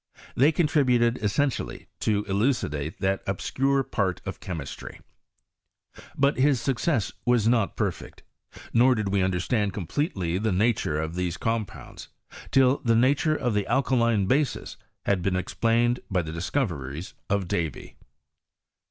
They contributed essentially to elucidate that obscure part of chemistry But his success was not perfect; DOr did we understand completely the nature of these compounds, till the nature of the alkaline bases had been explained by the discoveries of Davy.